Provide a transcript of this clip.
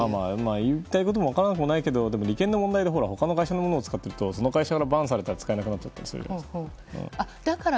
言いたいことも分からなくもないけど利権の問題で他の会社のものを使っているとその会社からＢＡＮされたら使えなくなるから。